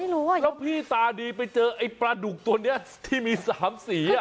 แล้วพี่ตาดีไปเจอไอ้ปลาดุกตัวนี้ที่มี๓สี